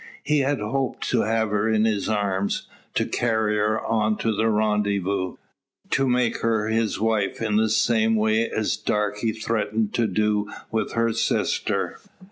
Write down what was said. He had hoped to have her in his arms, to carry her on to the rendezvous, to make her his wife in the same way as Darke threatened to do with her sister.